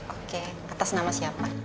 oke kertas nama siapa